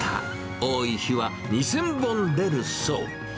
多い日は２０００本出るそう。